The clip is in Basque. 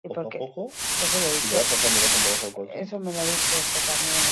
Gaurko bilerak ordubete eskaseko iraupena izango du.